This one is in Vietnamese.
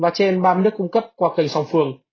và trên ba mươi nước cung cấp qua kênh song phương